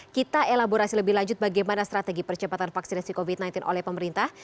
kita elaborasi lebih lanjut bagaimana strategi percepatan vaksinasi covid sembilan belas oleh pemerintah